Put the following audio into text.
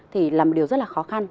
thì là một điều rất là khó khăn